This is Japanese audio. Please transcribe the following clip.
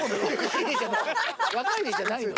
若いねじゃないの。